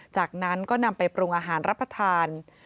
จากนั้นก็นำไปปรุงอาหารรับประทาน